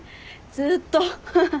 ずーっと？